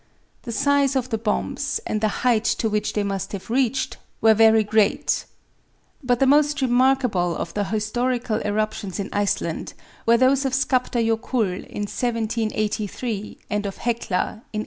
The size of the bombs, and the height to which they must have reached, were very great. But the most remarkable of the historical eruptions in Iceland were those of Skaptar Jokull in 1783, and of Hecla in 1845.